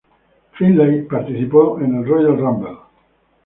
Finlay participó en el Royal Rumble.